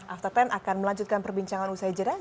after sepuluh akan melanjutkan perbincangan usai jeda